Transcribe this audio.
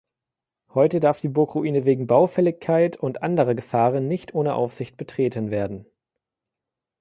Heute darf die Burgruine wegen Baufälligkeit und anderer Gefahren nicht ohne Aufsicht betreten werden.